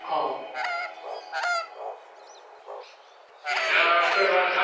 いやお疲れさまでした。